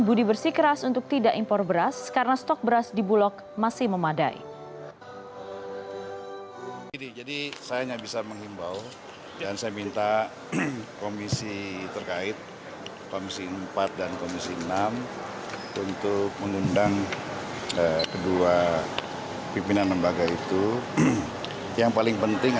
budi bersikeras untuk tidak impor beras karena stok beras di bulog masih memadai